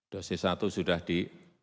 dosis satu sudah di enam puluh